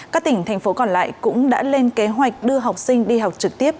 các tỉnh thành phố còn lại cũng đã lên kế hoạch đưa học sinh đi học trực tiếp